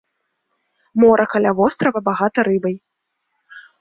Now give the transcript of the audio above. Мора каля вострава багата рыбай.